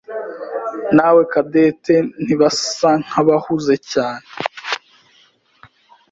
nawe Cadette ntibasa nkabahuze cyane.